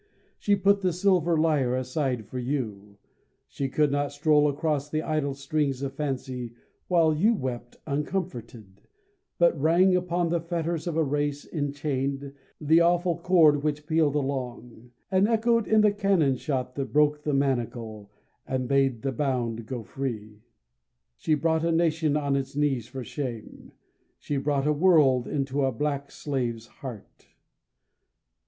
She put the silver lyre aside for you. She could not stroll across the idle strings Of fancy, while you wept uncomforted, But rang upon the fetters of a race Enchained, the awful chord which pealed along, And echoed in the cannon shot that broke The manacle, and bade the bound go free. She brought a Nation on its knees for shame, She brought a world into a black slave's heart.